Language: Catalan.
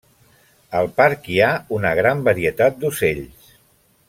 Al parc hi ha una gran varietat d'ocells.